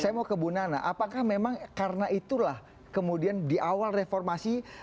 saya mau ke bu nana apakah memang karena itulah kemudian di awal reformasi